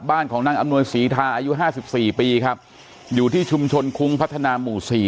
ของนางอำนวยศรีทาอายุห้าสิบสี่ปีครับอยู่ที่ชุมชนคุ้งพัฒนาหมู่สี่